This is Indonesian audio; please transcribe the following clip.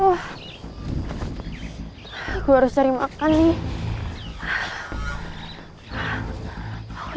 aku harus cari makan nih